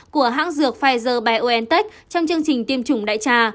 của hãng dược pfizer biontech trong chương trình tiêm chủng đại trà